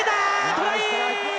トライ！